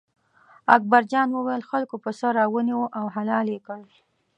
اکبر جان وویل: خلکو پسه را ونیوه او حلال یې کړ.